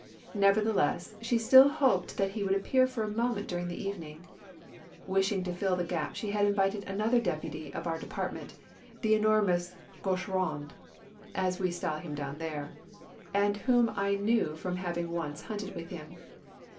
Nevertheless, she still hoped that he would appear for a moment during the evening. Wishing to fill the gap, she had invited another deputy of our department, the enormous Gaucheraud, as we style him down there, and whom I knew from having once hunted with him.